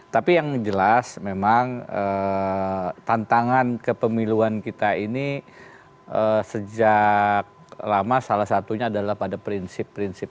tapi yang jelas memang tantangan kepemiluan kita ini sejak lama salah satunya adalah pada prinsip prinsip